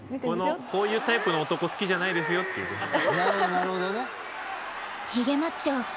こういうタイプの男好きじゃないですよっていう。